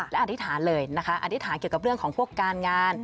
และอธิษฐานเลยนะคะอธิษฐานเกี่ยวกับเรื่องของพวกการงาน